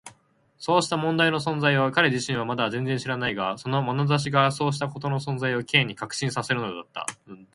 そうした問題の存在を彼自身はまだ全然知らないが、そのまなざしがそうしたことの存在を Ｋ に確信させるのだった。